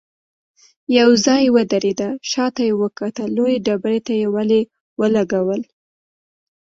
يو ځای ودرېده، شاته يې وکتل، لويې ډبرې ته يې ولي ولګول.